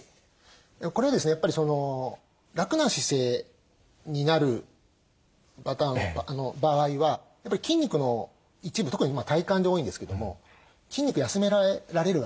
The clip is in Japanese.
これはですねやっぱり楽な姿勢になる場合は筋肉の一部特に体幹で多いんですけども筋肉休められるわけですね。